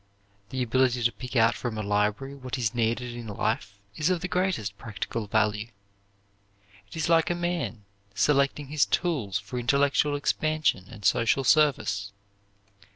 The ability to pick out from a library what is needed in life is of the greatest practical value. It is like a man selecting his tools for intellectual expansion and social service.